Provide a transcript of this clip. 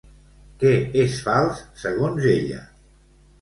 Què és fals, segons ella?